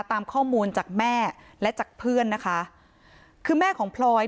ตามข้อมูลจากแม่และจากเพื่อนนะคะคือแม่ของพลอย